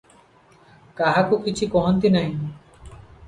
କାହାକୁ କିଛି କହନ୍ତି ନାହିଁ ।